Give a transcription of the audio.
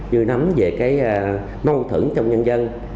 như nắm về mong thưởng trong nhân dân